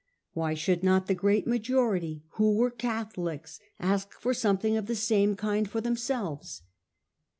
Why should not the great majo rity who were Catholics ask for something of the same kind for themselves?